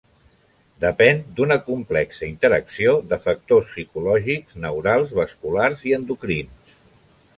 Depèn d'una complexa interacció de factors psicològics, neurals, vasculars i endocrins.